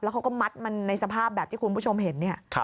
แล้วเขาก็มัดมันในสภาพแบบที่คุณผู้ชมเห็น